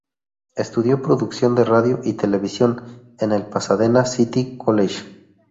Estudió producción de radio y televisión en el Pasadena City College.